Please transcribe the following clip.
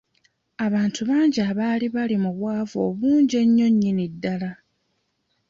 Abantu bangi abaali bali mu bwavu obungi ennyo nnyini ddala.